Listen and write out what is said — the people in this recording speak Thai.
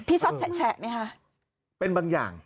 พี่ชอบแชะไหมครับ